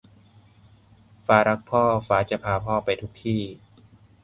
ฟ้ารักพ่อ ฟ้าจะพาพ่อไปทุกที่